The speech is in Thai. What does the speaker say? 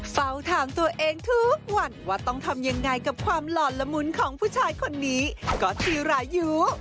เฝ้าถามตัวเองทุกวันว่าต้องทำยังไงกับความหล่อนละมุนของผู้ชายคนนี้ก็ที่รายุ